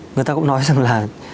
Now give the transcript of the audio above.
người ta cũng nói rằng là